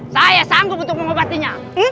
saya sanggup untuk mengobatinya